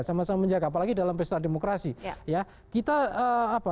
sama sama menjaga apalagi dalam pesta demokrasi ya kita apa